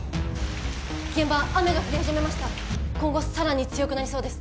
現場雨が降り始めました今後さらに強くなりそうです